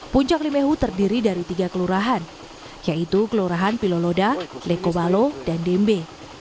puncak limehu terdiri dari tiga kelurahan yaitu kelurahan piloloda lekobalo dan dembe